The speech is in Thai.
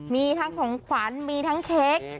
มีทั้งของขวัญมีทั้งเค้ก